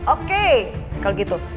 oke kalau gitu